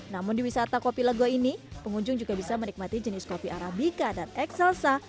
namun di wisata kopi lego ini pengunjung juga bisa menikmati jenis kopi arabica dan ekselsa